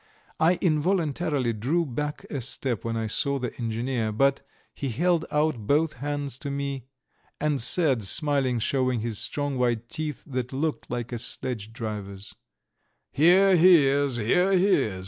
I involuntarily drew back a step when I saw the engineer, but he held out both hands to me and said, smiling, showing his strong white teeth that looked like a sledge driver's: "Here he is, here he is!